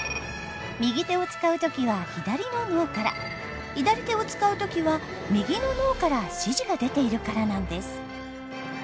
右手を使う時は左の脳から左手を使う時は右の脳から指示が出ているからなんです。